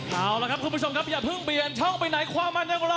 เอาละครับคุณผู้ชมครับอย่าเพิ่งเปลี่ยนช่องไปไหนความมันยังกว่าเรา